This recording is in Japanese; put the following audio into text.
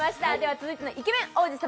続いてのイケメン王子様